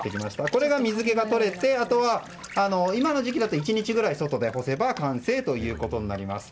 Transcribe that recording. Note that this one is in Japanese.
これが水気が取れてあとは今の時期だと１日くらい外で干せば完成ということになります。